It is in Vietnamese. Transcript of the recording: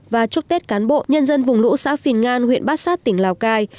và chúc tết cán bộ nhân dân vùng lũ xã phìn ngan huyện bát sát tỉnh lào cai